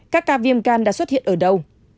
các ca viêm gan đã xuất hiện ở đâu